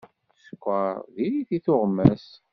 Sskeṛ diri-t i tuɣmas.